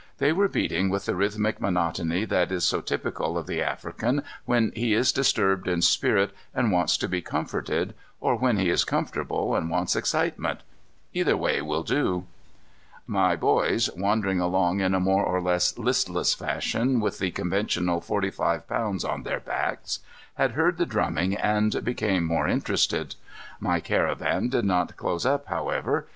They were beating with the rhythmic monotony that is so typical of the African when he is disturbed in spirit and wants to be comforted, or when he is comfortable and wants excitement. Either way will do. My "boys," wandering along in a more or less listless fashion with the conventional forty five pounds on their backs, had heard the drumming and became more interested. My caravan did not close up, however.